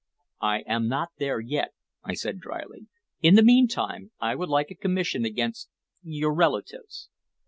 "I am not there yet," I said dryly. "In the meantime I would like a commission against your relatives."